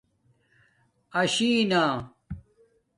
آشی نہ